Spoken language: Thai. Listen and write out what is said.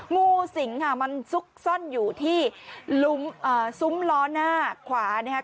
งูสิงค่ะมันซุกซ่อนอยู่ที่ลุ้มอ่าซุ้มล้อหน้าขวานะฮะ